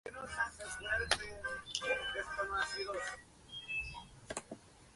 Posteriormente realizó estudios universitarios de letras y ciencias en Montpellier y Barcelona.